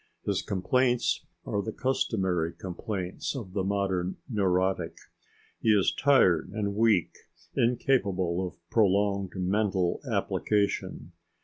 His complaints are the customary complaints of the modern neurotic. He is tired and weak, incapable of prolonged mental application.